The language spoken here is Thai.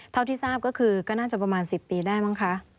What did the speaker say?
เท่าที่ทราบก็คือก็น่าจะประมาณ๑๐ปีได้มั้งคะ